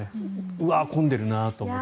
うわ、混んでるなと思って。